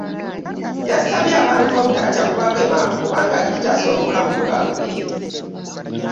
Yasabye abantu obutatya kubagema kubanga kitaasa bulamu bwabwe.